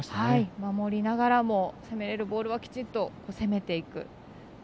守りながらも攻められるボールはきっちりと攻めていく。